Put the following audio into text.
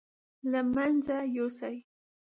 له مېنځه يوسي.